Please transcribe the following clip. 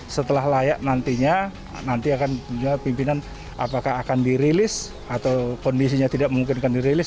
setelah layak nantinya nanti akan pimpinan apakah akan dirilis atau kondisinya tidak memungkinkan dirilis